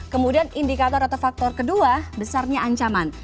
kemudian indikator atau faktor kedua besarnya ancaman